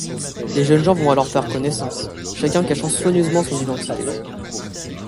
Les jeunes gens vont alors faire connaissance, chacun cachant soigneusement son identité...